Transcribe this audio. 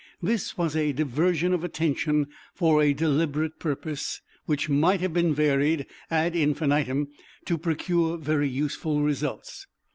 This was a diversion of Attention for a deliberate purpose, which might have been varied ad infinitum to procure very useful results.